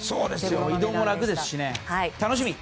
移動も楽ですし楽しみ！